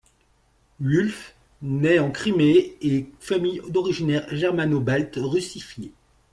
Wulff naît en Crimée d'une famille d'origine germano-balte russifiée.